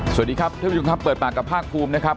สวัสดีครับท่านผู้ชมครับเปิดปากกับภาคภูมินะครับ